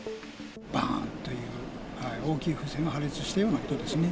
ばーんという大きい風船が破裂したような音ですね。